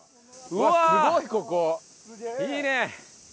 いいね。